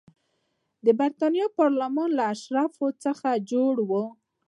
د برېټانیا پارلمان له اشرافو څخه جوړ و.